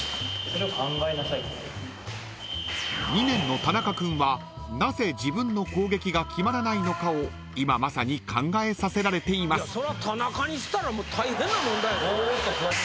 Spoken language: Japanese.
［２年の田中君はなぜ自分の攻撃が決まらないのかを今まさに考えさせられています］